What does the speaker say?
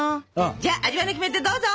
じゃあ味わいのキメテどうぞ！